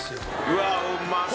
うわっうまそう。